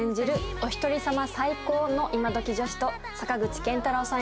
おひとり様最高のイマドキ女子と坂口健太郎さん